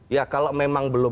ya kalau memang belum